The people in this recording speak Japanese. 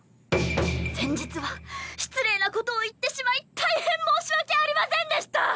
先日は失礼なことを言ってしまい大変申し訳ありませんでした！